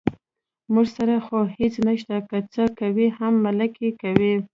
موږ سره خو هېڅ نشته، که څه کوي هم ملک یې کوي.